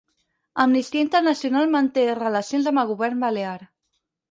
Amnistia Internacional manté relacions amb el govern balear